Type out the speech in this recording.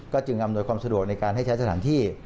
จึงอำนวยความสะดวกในการให้ใช้สถานที่